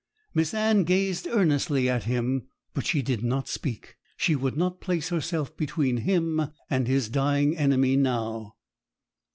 Miss Anne gazed earnestly at him, but she did not speak; she would not place herself between him and his dying enemy now.